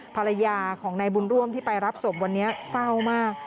ภรรยาของนายบุญร่วมที่ไปรับศพวันนี้เศร้ามาก